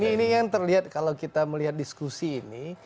ini yang terlihat kalau kita melihat diskusi ini